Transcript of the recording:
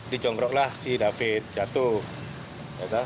dicongroklah si david jatuh